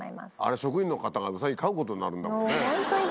職員の方がウサギ飼うことになるんだもんね。